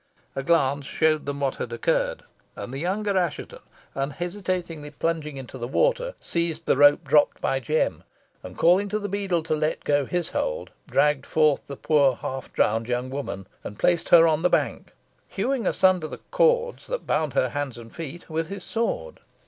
A glance showed them what had occurred, and the younger Assheton, unhesitatingly plunging into the water, seized the rope dropped by Jem, and calling to the beadle to let go his hold, dragged forth the poor half drowned young woman, and placed her on the bank, hewing asunder the cords that bound her hands and feet with his sword.